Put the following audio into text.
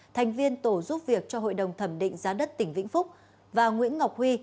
thành viên tổ giúp việc cho hội đồng thẩm định giá đất tỉnh vĩnh phúc và nguyễn ngọc huy